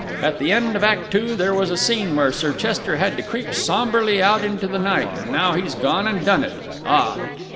At the end of Act Two there was a scene where Sir Chester had to creep sombrely out into the night, and now he's gone and done it! Ah!"